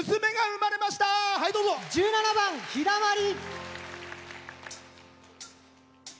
１７番「ひだまり」。